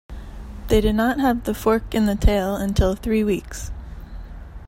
They do not have the fork in the tail until three weeks.